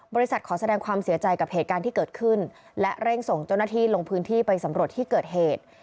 ขอแสดงความเสียใจกับเหตุการณ์ที่เกิดขึ้นและเร่งส่งเจ้าหน้าที่ลงพื้นที่ไปสำรวจที่เกิดเหตุ